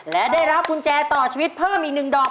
และได้รับกุญแจต่อชีวิตเพิ่มอีก๑ดอก